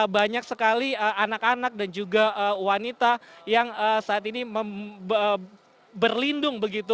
banyak sekali anak anak dan juga wanita yang saat ini berlindung begitu